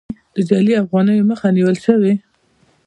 د جعلي افغانیو مخه نیول شوې؟